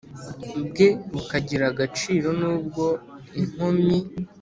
bwe bukagira agaciro n ubwo inkomyi